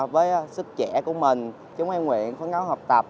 với sức trẻ của mình chúng em nguyện phấn đấu học tập